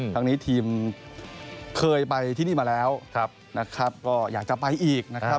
ทั้งนี้ทีมเคยไปที่นี่มาแล้วนะครับก็อยากจะไปอีกนะครับ